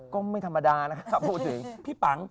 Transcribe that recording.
ก็ไม่ธรรมดานะครับพี่ปัง